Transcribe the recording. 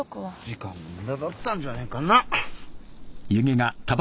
時間の無駄だったんじゃねえかな。